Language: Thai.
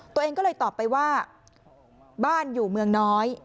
ตัวเองก็เลยตอบไปว่าบ้านอยู่เมืองน้อย